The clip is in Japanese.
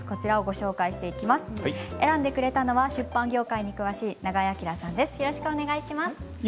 選んでくれたのは出版業界に詳しい永江朗さんです。